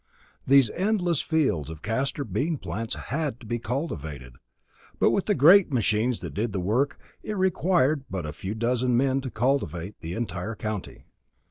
These endless fields of castor bean plants had to be cultivated, but with the great machines that did the work it required but a few dozen men to cultivate an entire county.